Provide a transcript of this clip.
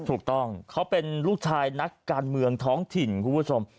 ถูกต้องเขาเป็นลูกชายนักการเมืองท้องถิ่นคุณผู้ชม